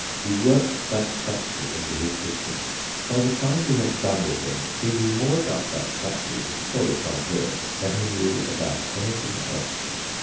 We worked that statue into his system. By the time we had done with him he knew more about that statue, for the time being, than he knew about anything else.